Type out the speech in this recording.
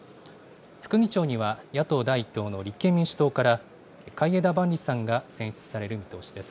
副議長には野党第１党の立憲民主党から、海江田万里さんが選出される見通しです。